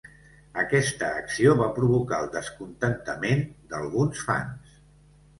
Aquesta acció va provocar el descontentament d'alguns fans.